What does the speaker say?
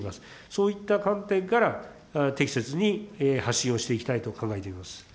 そういった観点から、適切に発信をしていきたいと考えています。